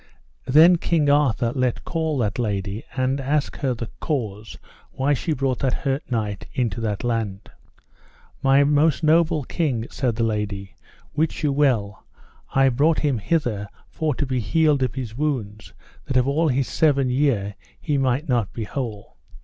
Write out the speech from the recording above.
Then King Arthur let call that lady, and asked her the cause why she brought that hurt knight into that land. My most noble king, said that lady, wit you well I brought him hither for to be healed of his wounds, that of all this seven year he might not be whole.